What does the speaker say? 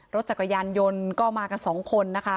รถจักรยานยนต์ก็มากันสองคนนะคะ